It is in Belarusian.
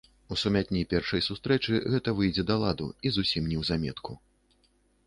У сумятні першай сустрэчы гэта выйдзе да ладу і зусім неўзаметку.